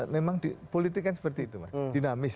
memang politik kan seperti itu dinamis